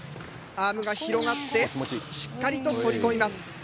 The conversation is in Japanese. アームが広がってしっかりと取り込みます。